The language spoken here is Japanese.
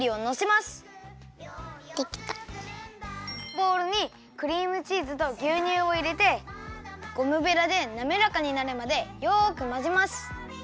ボウルにクリームチーズとぎゅうにゅうをいれてゴムベラでなめらかになるまでよくまぜます。